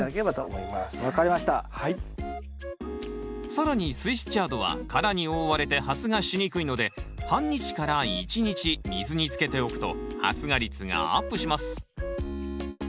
更にスイスチャードは殻に覆われて発芽しにくいので半日から１日水につけておくと発芽率がアップします。